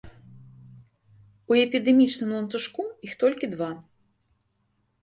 У эпідэмічным ланцужку іх толькі два.